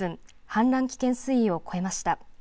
氾濫危険水位を超えました。